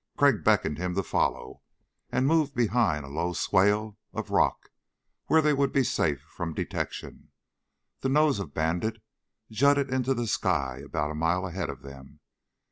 Crag beckoned him to follow and moved behind a low swale of rock where they would be safe from detection. The nose of Bandit jutted into the sky about a mile ahead of them.